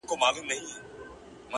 چي ته يې را روانه كلي ښار كوڅه بازار كي